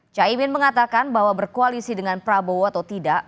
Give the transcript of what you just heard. caimin mengatakan bahwa berkoalisi dengan prabowo atau tidak